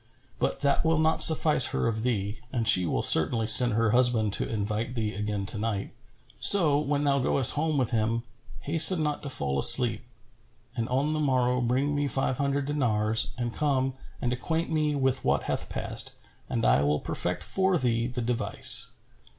But that will not suffice her of thee and she will certainly send her husband to invite thee again to night; so, when thou goest home with him, hasten not to fall asleep, and on the morrow bring me five hundred dinars and come and acquaint me with what hath passed, and I will perfect for thee the device."